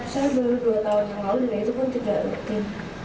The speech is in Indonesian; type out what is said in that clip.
saya baru dua tahun yang lalu dan itu pun tidak rutin